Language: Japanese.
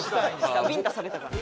ビンタされたから。